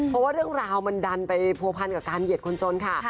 เพราะว่าเรื่องราวมันดันไปผัวพันกับการเหยียดคนจนค่ะ